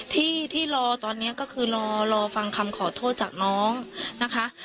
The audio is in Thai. ที่ที่รอตอนนี้ก็คือรอฟังคำขอโทษจากน้องนะคะ